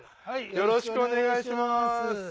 よろしくお願いします。